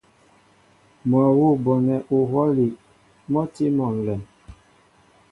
Mɔ́ awʉ́ a bonɛ uhwɔ́li mɔ́ a tí mɔ ǹlɛm.